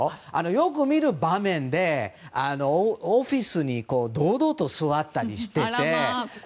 よく見る場面で、オフィスに堂々と座ったりしてて。